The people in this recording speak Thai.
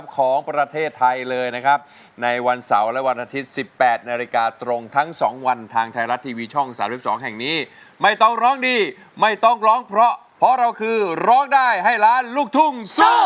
ร้องผิดได้หนึ่งคำเปลี่ยนเพลง